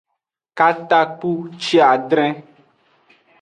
Katakpuciadre.